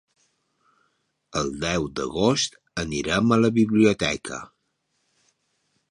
El deu d'agost anirem a la biblioteca.